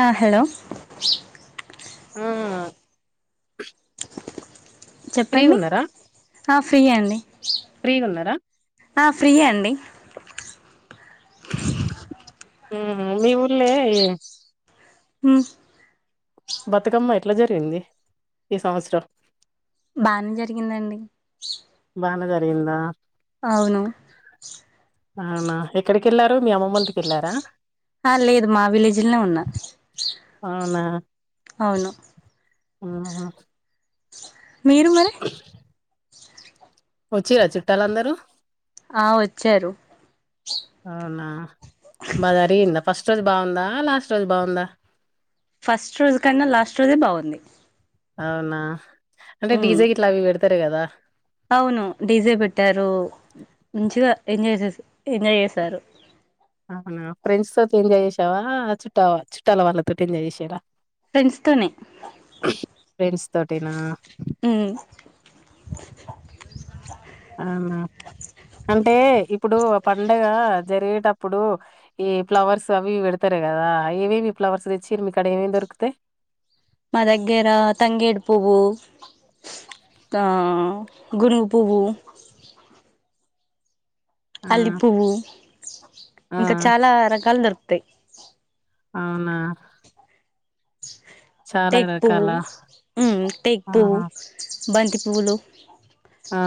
ఆ హలో ఆ చెప్పండి ఫ్రీగున్నారా ఆ ఫ్రీ అండి ఫ్రీగున్నారా ఆ ఫ్రీ అండి మీ ఊర్లే ఏ హ బతుకమ్మ ఎట్లా జరిగింది ఈ సంవత్సరం బానే జరిగిందండి బానే జరిగిందా అవును అవునా ఎక్కడికిళ్ళారు మీ అమ్మమ్మల ఇంటికి వెళ్ళారా ఆ లేదు మా విలేజిల్ నే ఉన్నా అవునా అవును ఆహా మీరు మరే వచ్చిరా చుట్టాలందరూ ఆ వచ్చారు అవునా బాగా జరిగిందా ఫస్ట్ రోజు బాగుందా లాస్ట్ రోజు బాగుందా ఫస్ట్ రోజు కన్నా లాస్ట్ రోజే బాగుంది అవునా అంటే హ డీజే గిట్లా అవి పెడతారు కదా అవును డిజే పెట్టారు మంచిగా ఎంజాయ్ చే ఎంజాయ్ చేశారు. అవునా ఫ్రెండ్స్ తో ఎంజాయ్ చేసావ చుట్టా చుట్టాల వాళ్ళతోటి ఎంజాయ్ చేసిరా. ఫ్రెండ్స్ తోనే ఫెండ్స్ తోటిన ఆ ఆ. అంత. అవునా అంటే ఇప్పుడు పండగ జరిగేటప్పుడు ఈ ఫ్లవర్స్ అవి ఇవి పెడతా కదా ఏమేమి ఫ్లవర్స్ తెచ్చిరు మీకడ ఏమేమి దొరికుతయి. మ దగ్గిర తంగేడు పువ్వు త గునుగు పువ్వు. ఆ! అల్లి పువ్వు ఆ! ఇంక చాలా రకాలు దొరుకుతాయి. అవునా. చాలా టేకు పువ్వు రకాలా? టేక్ పువ్వు ఆహా! బంతి పూలు ఆ.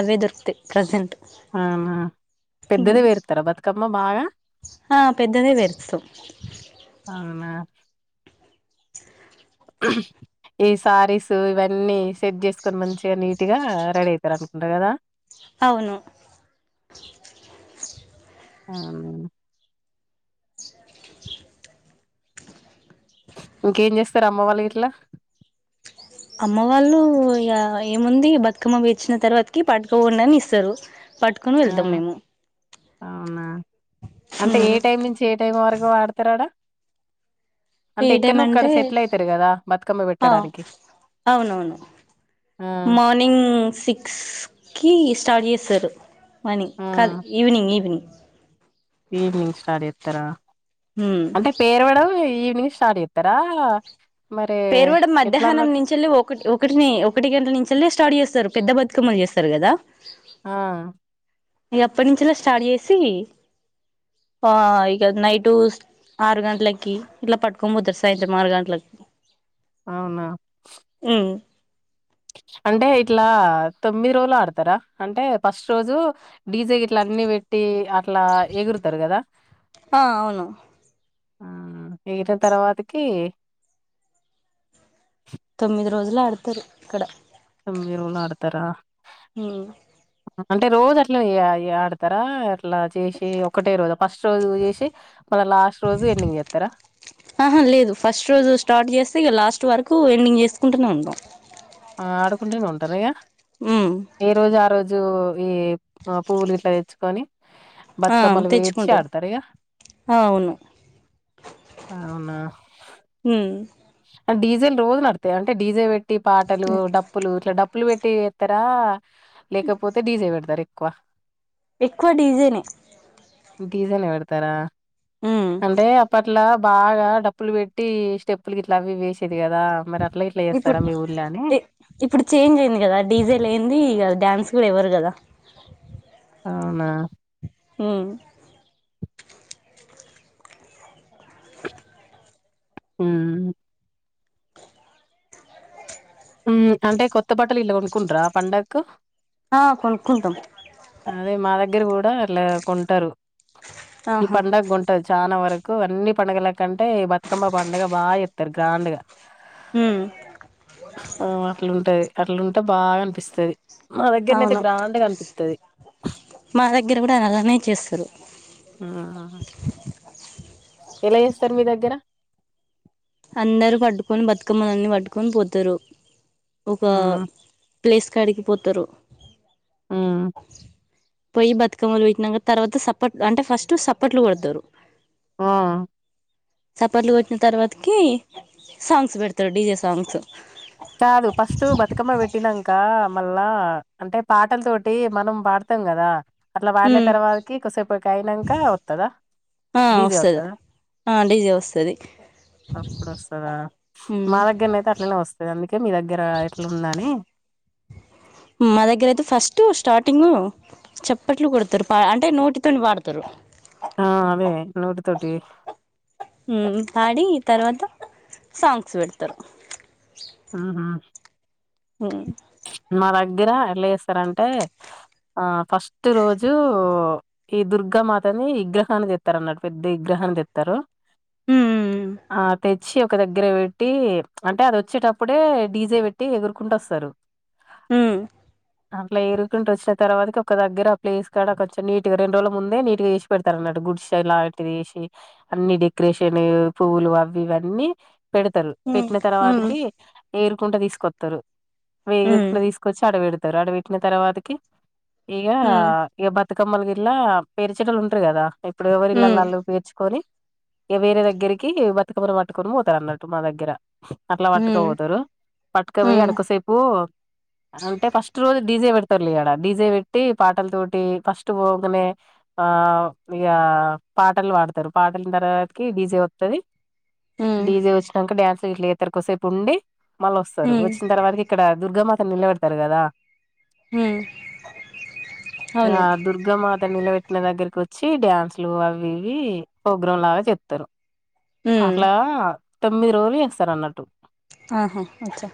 అవే దొరుకుతాయ్ ప్రెజెంట్. అవునా. పెద్దదే పెడతారా బతుకమ్మ బాగా. ఆ పెద్దదే పెరుస్తాం అవునా. హు. ఈ శారీస్ ఇవన్నీ సెట్ చేసుకొని మంచిగా నీటి గా రెడీ అయితారు అనుకుంటారు కదా. అవును. అవునా. ఇంకేం చేస్తారు అమ్మ వాళ్ళ ఇట్లా. అమ్మ వాళ్ళు ఇగ ఏముంది బతుకమ్మ వచ్చిన తర్వాతకి పట్టుకో ఉండి అని ఇస్తారు. పట్టుకొని ఆ! వెళ్దాం మేము. అవునా అంటే ఏ ఉమ్ టైం నుంచి ఏ టైం వరకు పాడుతారు ఆడ. ఏ అంటే టైం ఎక్కడనో ఒక్కడ అంటే సెటిల్ అయితారు కదా బతుకమ్మ పెట్టడానికి. అవును అవును ఆ మార్నింగ్ సిక్స్ కి. స్టార్ట్ చేశారు మనీ ఆ కాదు ఈవినింగ్ ఈవినింగ్. ఈవినింగ్ స్టార్ట్ చేతర ఉమ్ అంటే పేరవడం ఈ. ఈవినింగ్ స్టార్ట్ చేతరా పేరువాడ మధ్యాహ్నం నుంచి ఒకటి ఒకటిని ఒకటి గంటల నుంచి లే స్టార్ట్ చేస్ పెద్ద బతుకమ్మలు చేస్తరు కదా. ఆ. ఇగ అప్పటి నుంచిల స్టార్ట్ చేసి ఆ ఇగ నైటు ఆరు గంటలకి ఇట్లా పట్టుకో పోతారు సాయంత్రం ఆరు గంటలకి. అవున ఉమ్ అంటే ఇట్ల తొమ్మిది రోజులు ఆడతార అంటే ఫస్ట్ రోజు. డీజే గిట్ల అన్ని పెట్టి అట్లా ఎగురుతారు కదా. ఆ అవును ఆ ఎగిరిన తర్వాతకి. తొమ్మిది రోజులు ఆడతారు ఇక్కడ. తొమ్మిది రోజులు ఆడతారా. హు అంటే రోజు అట్ల ఆడతారా అట్లా చేసి ఒకటే రోజు ఫస్ట్ రోజు చేసి మల లాస్ట్ రోజు ఈవినింగ్ చేస్తార ఆహా లేదు ఫస్ట్ రోజు స్టార్ట్ చేస్తే ఇగ లాస్ట్ వరకు ఈవినింగ్ చేసుకుంటూనే ఉంటాం. ఆ ఆడుకుంటేనే ఉంటారుగా ఉమ్ ఏ రోజు ఆ రోజు. ఈ పువ్వులు ఇట్లా తెచ్చుకొని. ఆ బతుకమ్మలు వేడ్చి తెచ్చుకుంటాం ఆడుతారా ఇగ. అవును అవునా. ఉమ్ అ డీజేలు రోజు నడుత్తాయా అంటే డీజే పెట్టి పాటలు డప్పులు ఇట్లా డప్పులు పెట్టి ఎత్తరా? లేకపోతే డీజే పెడుతరా ఎక్కువ? ఎక్కువ డీజేనే డీజేనే పెడుతరా ఉమ్ అంటే అప్పట్లా బాగా డప్పులు పెట్టి స్టెప్పులు గిట్ల అవి ఇవి ఏసేది కదా మరి అ ఇప్పు ఇ ఇప్పుడు చేంజ్ అయింది కదా డీజే లేన్ది ఇగ డ్యాన్స్ కూడ ఇవ్వరు కదా! అవునా మ్మ్ హ్మ్ఁ హ్మ్ అంటే కొత్త బట్టలు ఇట్ల కొన్కుంట్రా పండగకు ఆఁ కొన్కుంటం అదే మా దగ్గర గూడ అట్లా కొంటరు. ఈ ఆహా పండగకు గొంటరు చాన వర కు అన్ని పండగల కంటే ఈ బతుకమ్మ పండగ బా జేత్తరు గ్రాండ్. గా మ్మ్ మ్మ్ అట్లుంటది అట్లుంటే బాగా అనిపిస్తది. మా దగ్గరనైతే అవును గ్రాండ్గా అనిపిత్తది. మా దగ్గర కూడా అలానే చేస్తారు మ్మూఁ ఎలా చేస్తర్ మీ దగ్గర? అందరు పట్టుకొని బతుకమ్మలన్నీ పట్టుకొని పోతరు ఒకా మ్మ్ ప్లేస్ కాడికి పోతరు. మ్మ్ఁ పోయి బతుకమ్మలు పెట్టినంక తర్వాత సప్పట్ల్ అంటే ఫస్ట్ సప్పట్లు కొడుతరు. ఆఁ సప్పట్లు కొట్టిన తర్వాతకీ సాంగ్స్ పెడుతరు డీజే సాంగ్స్. కాదు ఫస్ట్ బతుకమ్మ పెట్టినంక మళ్ళా అంటే పాటల తోటి మనం పాడుతం కదా, అట్ల పాడిన ఉమ్ తర్వాతకి కొదిసేపటికి అయినంకా వత్తదా డీజే వత్తదా? ఆఁ డిజే వస్తది. అప్పుడోస్తదా, ఉమ్ మా దగ్గరనైతే అట్లనే వస్తది అందుకే మీ దగ్గర ఎట్లుందనీ మా దగ్గర అయితే ఫస్ట్, స్టార్టింగు చప్పట్లు కొడుతరు అంటే నోటితోని పాడుతరు. ఆఁ అవే నోటి తోటి ఉమ్ పాడి తర్వాత సాంగ్స్ పెడుతరు. హ్మ్ హు మ్ గ్గర ఎట్ల చేస్తరంటే ఆ ఫస్ట్ రోజూ ఈ దుర్గా మాతని విగ్రహాన్ని తెత్తరు అన్నట్టు పెద్ద విగ్రహాన్ని తెత్తరు. ఆ తెచ్చి ఒక దగ్గర పెట్టి, అంటే అది వచ్చేట ప్పుడే డీజే వెట్టి ఎగురుకుంటా వస్తరు. హ్మ్ఁ అట్లా ఎరుకుంట వచ్చిన తర్వాత ఒక దగ్గర ప్లేస్ కాడ కొంచెం నీట్గా రెండు రోజుల ముందే నీట్ గా చేసి పెడుతరన్నట్టు. గుడ్సే లాటివి ఏసి అన్ని డెకరేషన్ పువ్వులు అవి ఇవన్నీ పెడుతరు ఉమ్ పెట్టిన ఉమ్ తర్వాతకి, ఎగురకుంట తీసుకొత్తరు, ఉమ్ ఎగురుకుంట తీసుకొచ్చి ఆడ పెడుతరు, ఆడ పెట్టిన తర్వాతకి ఇగా ఉమ్ ఇగ బతుకమ్మలు గిట్ల పేరిచటోలు ఉంటరు కదా ఇప్పుడు ఎవరిళ్ళల్ల ఉమ్ వాళ్ళు పేర్చుకొని ఇగ వేరే దగ్గరికి బతుకమ్మని పట్టుకొని పోతరు అన్నట్టు మా దగ్గర. ఉమ్ టుకవోతరు పట్కపోయి ఉమ్ ఆడ కొద్దిసేపు అంటే ఫస్ట్ రోజు డీజే పెడతారు ఆడ డీజే పెట్టి పాటల తోటి ఫస్ట్ పోగానే ఆ ఇ పాటలు పాడతారు పాటల తర్వాతకి డీజే వస్తుది డీజే వచ్చినాక డ్యాన్స్ ఇట్తరకోసేపు ఉండి మళ్ళ ఉమ్ వస్తారు ఉమ్ ఉమ్ వచ్చిన తరవారకు ఇక్కడ దుర్గామాత నిలబెడతారు కదా ఉమ్ ఆ అవును దుర్గా మాత నలవచ్చ పట్న దగ్గరకి వచ్చి డ్యాన్సు లు అవి ఇవి ప్రోగ్రాం లాగా చెప్తారు ఉమ్ అట్లా తొమ్మిది రోజులు చేస్తారు అన్నట్టు ఆహా అచ్చా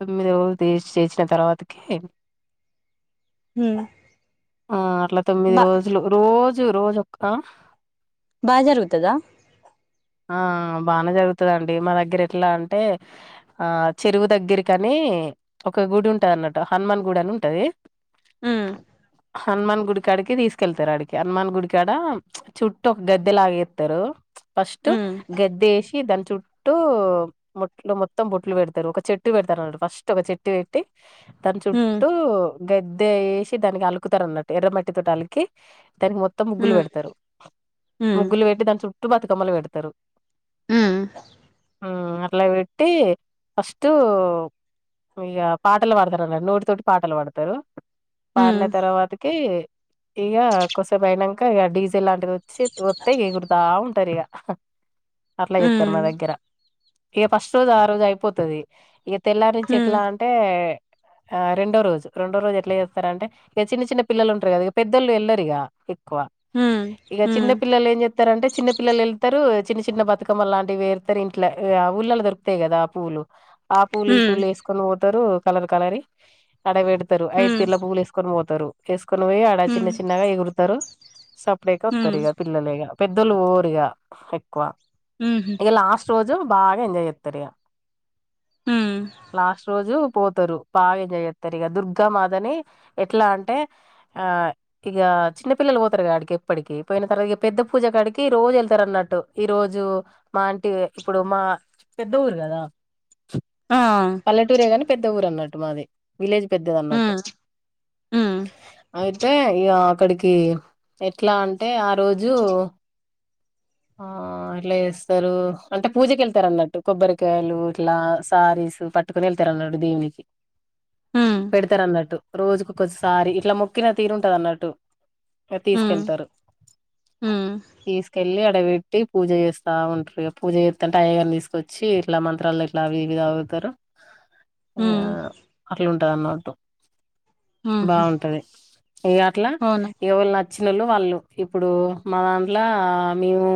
తొమ్మిది రోజులు తీసి చేసిన తర్వాతకి ఉ ఆ అట్లా తొమ్మిది రోజులు రోజు రోజుక్క బాజార్గువుతుందా ఆ బానే జరుగుతుందండి మా దగ్గర ఎట్లా అంటే ఆ చెరువు దగ్గరకని ఒక గుడి ఉంటది అన్నట్టు హనుమాన్ గుడి అని ఉంటది ఉమ్ హనుమాన్ గుడికి అడికి తీసుకెళ్తారు అడికి హనుమాన్ గుడికి ఇక్కడ చుట్టటు గద్దెలాగిస్తారు ఫస్ట్ ఉమ్ గద్ద వేసి దల చుట్టూ మొట్లో మొత్తం బొట్లు పెడతారు ఒక చెట్టు పెడతారు అన్న ఫస్ట్ ఒక చెట్టు పెట్టి దాని ఉమ్ చుట్టూ గద్ద వేసి దానికి అలుకుతారు ఉన్నట్టు ఎర్ర మట్టి తోటి అలికి దానికి మొత్తం ముగ్గులు ఉమ్ పెడతారు ఉమ్ ముగ్గులు పెట్టి దాని చుట్టూ బతుకమ్మలు పెడతారు ఆ అట్లా వెట్టి ఫస్ట్టు ఇక పాటలు పాడతారున్న నోటి తోటి పాటలు పాడతారు ఉమ్ పాడిన తర్వాతకి ఇక కొసపుయినాక ఇక డీజిల్ లాంటిది వత్తా కురుతా ఉంటారు ఇక అట్లా చెప్తారు ఉమ్ మా దగ్గర ఇక ఫస్ట్ రోజు ఆ రోజు అయిపోతుది ఇక తెల్లారి ఉమ్ నుంచి ఎట్లా అంటే ఆ రెండో రోజు రెండో రోజు ఎట్లా చేస్తారు అంటే ఇక చిన్న చిన్న పిల్లలు ఉంటారు కదా ఇక పెద్దళ్ు వెళ్లరు ఇక ఎక్కువ ఉమ్ ఇక ఉమ్ చిన్నపిల్లలు ఏం చెప్తారంటే చిన్న పిల్లలు వెళ్తారు చిన్న చిన్న బతుకమ్మ లాంటివిేరుతారు ఇంట్లో ఊళ్ళలో దొకుతాయి కదా ఆ పూ్లు ఆ పూలు ఈ ఉమ్ పూలు వేసుకొని పోతారు కలర్ కలరి ఆడ పెడతారు ఐదు ఉమ్ తీర్ల పువ్లు వేసుకొని పోతారు వేసుకని పోయి ఆడ చిన్న హ్మ్ చిన్నగా ఎగురుతారు సప్పుడేక హ్మ్ వస్తారుగా పిల్లలేగా పెద్దలు ఓరుగా తక్కువ ఊహూ ఇక లాస్ట్ రోజు బాగా ఎంజాయ్ చేస్తారు ఇక హ్మ్ లాస్ట్ రోజు పోతారు బాగా ఏం చేస్తారు ఇక దుర్గామాతని ఎట్లా అంటే ఆ ఇక చిన్న పిల్లలు పోతారు కాడికి ఎప్పటికి పోయిన తర్వాత పెద్ద పూజ కాడికి రోజు వెళ్తారు అన్నట్టు ఈ రోజు మా అంటి ఇప్పుడు మా పెద్ద ఊరు కదా ఆ పల్లెటూరే గాని పెద్ద ఊరు అన్నట్టు మాది విలేజ్ పెద్దది అన్నట్టు హ్మ్ హ్మ్ అయితే ఇ అక్కడికి ఎట్లా అంటే ఆ రోజు అ ఆ ఇట్లా చేస్తారు అంటే పూజక వెళ్తారు అన్నట్టు కొబ్బరికాయలు ఇట్లా సారీస్ పట్టుకుని వెళ్తారు అన్నట్టు దేవునికి హ్మ్ పెడతారు అన్నట్టు రోజుకు కొద్దిసారి ఇట్లా మొక్కిన తీరుంటది అన్నట్టు హ్మ్ తీసుకెళ్తారు హ్మ్ తీసుకెళ్ళలి అడవి పూజ చేస్తా ఉంటారు పూజ చేస్తంటే అయ్యగారిని తీసుకొచ్చి ఇట్లా మంత్రాలు ఇట్లా ఇవిది అవుతారు ఆ హ్మ్ అట్లాంటది అన్నట్టు ఊహూ బాగుంటది ఈ అట్లా అవునా ఎవళ నచ్చ వచ్చినళ్ళు వాళ్ళు ఇప్పుడు మా దాంట్లో మేము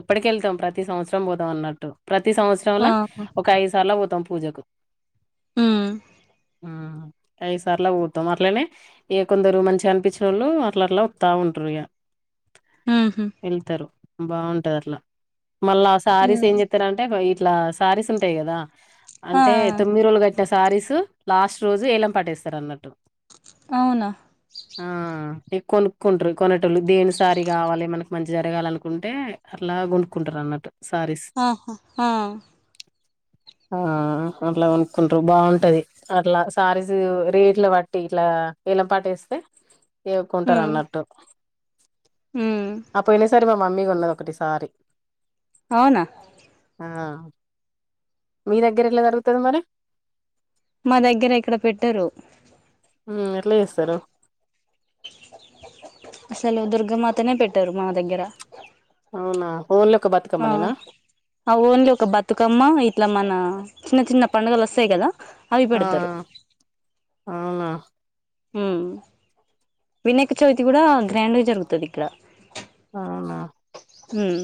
ఎప్పటిక వెళ్తాం ప్రతి సంవత్సరం పోదాం అన్నట్టు ప్రతి సంవత్సరంలా ఆహా! ఒక ఐదు సార్లు పోతాం పూజకు హ్మ్ ఆ ఐదు సార్లా పోతాం అట్లనే ఏక కొందరు మంచిగా అనిపించిన ఒళ్ళు అట్ల అట్లా వత్త ఉంటారు ఇగ ఊహూ వెళ్తారు బాగుంటది అట్లా మళ్ళా ఆ సారీస్ హ్మ్ ఏం చెస్తార అంటే ఇట్లా శారీస్ ఉంటాయి కదా ఆ! అంటే తొమ్మిది రోజులు కట్ అంటే సారీస్ లాస్ట్ రోజు ఏలం పాటేస్తారు అన్నట్టు అవునా ఆ కొనుక్కుంటారు కొనేటోళ్లు దేనిసారి కావాలి మనకి మంచి జరగాలి అనుకుంటే అట్లా కొనుక్కుంటారు అన్నట్టు సారీస్ ఆహా ఆ ఆ అట్లా కొనుకుంటారు బాగుంటది అట్లా సారీస్ రేట్ల బట్టి ఇట్లా వలంపాట వేస్తే ఇగ కొంటారు హ్మ్ అన్నట్టు హ్మ్ అ పోయినసారి మా మమ్మీ కోన్నది ఒకటి సారి అవునా ఆ మీ దగ్గర ఎట్ల జరుగుతది మరి మా దగ్గర ఇక్కడ పెట్టరు హు ఎట్లా చేస్తారు అసలు దుర్గమాతనే పెట్టారు మా దగ్గర అవునా ఓన్లీ ఒక బతుకమ్మనేనా ఆ ఓన్లీ ఒక బతుకమ్మ ఇట్లా మన చిన్న చిన్న పండుగలు వస్తాయి కదా అవి ఆ పెడతారు అవునా హు వినాయక చవితిక చవితి కూడా గ్రాండ్ గా జరుగుతది ఇక్కడ అవునా హు